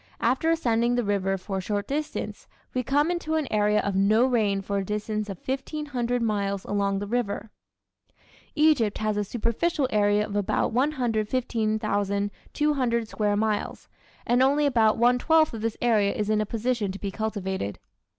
After ascending the river for a short distance we come into an area of no rain for a distance of 1500 miles along the river. Egypt has a superficial area of about 115,200 square miles, and only about one twelfth of this area is in a position to be cultivated.